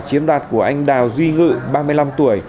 chiếm đoạt của anh đào duy ngự ba mươi năm tuổi